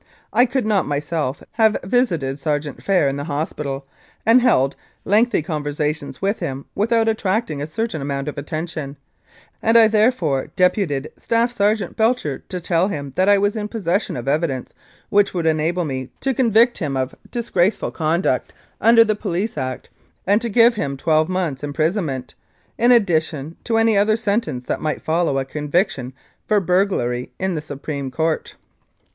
I could not myself have visited Sergeant Phair in the hospital and held lengthy con versations with him without attracting a certain amount of attention, and I therefore deputed Staff Sergeant Belcher to tell him that I was in possession of evidence which would enable me to convict him of "disgraceful conduct" under the Police Act, and to give him twelve months' imprisonment, in addition to any other sentence that might follow a conviction for burglary in the Supreme Court.